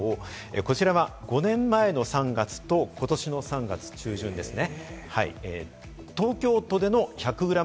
こちらは５年前の３月と、今年の３月中旬ですね。